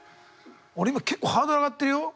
俺今結構ハードル上がってるよ。